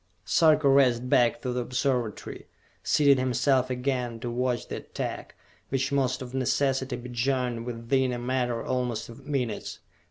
Sarka raced back to the Observatory, seated himself again to watch the attack, which must of necessity be joined within a matter almost of minutes.